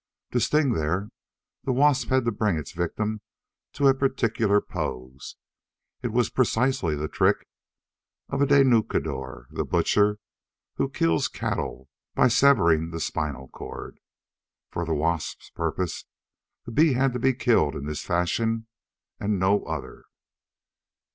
To sting there, the wasp had to bring its victim to a particular pose. It was precisely the trick of a desnucador, the butcher who kills cattle by severing the spinal cord. For the wasp's purposes the bee had to be killed in this fashion and no other.